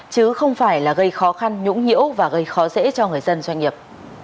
chứ không phải là gây khó khăn nhũng nhiễu và gây khó dễ cho người dân doanh nghiệp